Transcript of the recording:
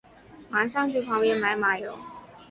马上去旁边买马油